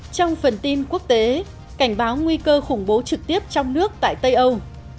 trong phần tin quốc tế cảnh báo nguy cơ khủng bố trực tiếp trong nước tại tây âu